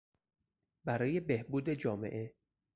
برای بهبود جامعه